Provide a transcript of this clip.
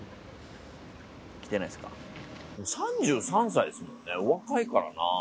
３３歳ですもんね、お若いからな。